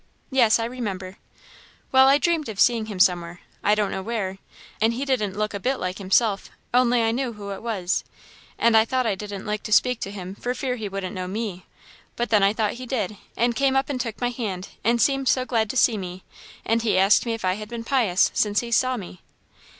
"Yes, I remember." "Well, I dreamed of seeing him somewhere, I don't know where and he didn't look a bit like himself, only I knew who it was; and I thought I didn't like to speak to him for fear he wouldn't know me, but then I thought he did, and came up and took my hand, and seemed so glad to see me; and he asked me if I had been pious since he saw me."